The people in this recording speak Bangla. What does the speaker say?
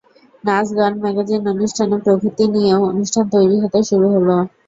নাচ, গান, ম্যাগাজিন অনুষ্ঠান প্রভৃতি নিয়েও অনুষ্ঠান তৈরি হতে শুরু হলো।